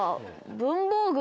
文房具。